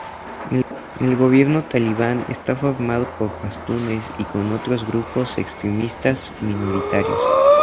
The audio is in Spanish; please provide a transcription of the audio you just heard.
El gobierno talibán estaba formado por pastunes y con otros grupos extremistas minoritarios.